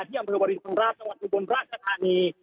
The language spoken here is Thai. ที่อำเภอวารินชำราบจังหวัดดิโบราชธานี